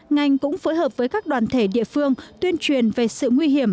ngành cũng phối hợp với các đoàn thể địa phương tuyên truyền về sự nguy hiểm